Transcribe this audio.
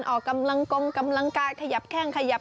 มีหลากหลายการแข่งขันคุณผู้ชมอย่างที่บอกอันนี้ปาเป้าเห็นมั้ยก็มีแต้ม